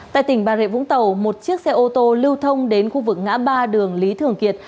tại tỉnh bà rịa vũng tàu một chiếc xe ô tô lưu thông đến khu vực ngã ba đường lý thường kiệt